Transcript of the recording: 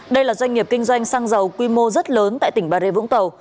đây là doanh nghiệp kinh doanh xăng dầu quy mô rất lớn tại tỉnh bà rê vũng tàu